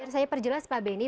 saya perjelas pak benny